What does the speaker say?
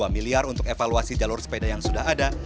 dua miliar untuk evaluasi jalur sepeda yang sudah ada